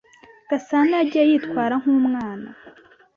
Gasana yagiye yitwara nkumwana.